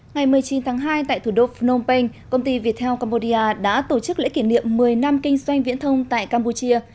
ngày một mươi chín tháng hai tại thủ đô phnom penh công ty viettel cambodia đã tổ chức lễ kỷ niệm một mươi năm kinh doanh viễn thông tại campuchia